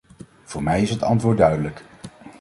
Voor mij is het antwoord duidelijk.